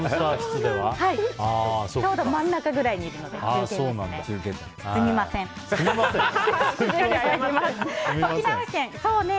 ちょうど真ん中ぐらいにいるので中堅ですね。